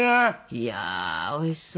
いやおいしそう。